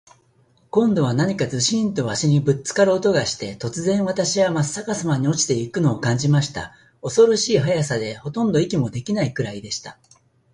今度は何かズシンと鷲にぶっつかる音がして、突然、私はまっ逆さまに落ちて行くのを感じました。恐ろしい速さで、ほとんど息もできないくらいでした。